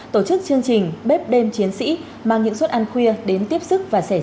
tổ chức chương trình bếp đêm chiến sĩ mang những suốt ăn khuya đến tiếp xức và xin lỗi